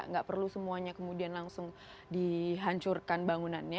nggak perlu semuanya kemudian langsung dihancurkan bangunannya